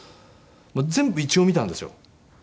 全部一応見たんですよ。